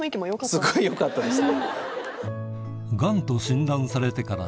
すごいよかったですね。